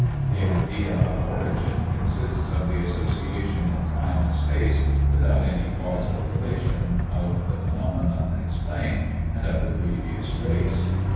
The idea of origin consists of the association in time and space, without any causal relation, of the phenomenon explained and of the previous race.